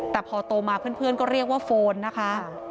แต่พอโตมาเพื่อนก็เรียกว่าโฟนนะคะ